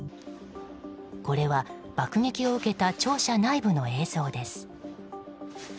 これは爆撃を受けた庁舎内部の映像です。